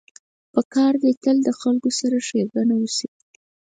پکار ده تل له خلکو سره ښېګڼه وشي.